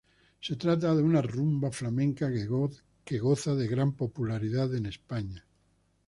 Se trata de una rumba flamenca que goza de gran popularidad en España.